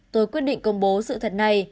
tôi quyết định công bố sự thật này